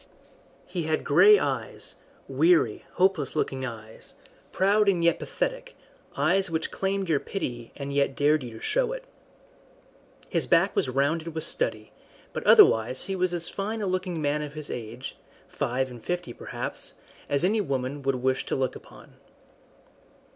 He had grey eyes, weary, hopeless looking eyes, proud and yet pathetic, eyes which claimed your pity and yet dared you to show it. His back was rounded with study, but otherwise he was as fine a looking man of his age five and fifty perhaps as any woman would wish to look upon.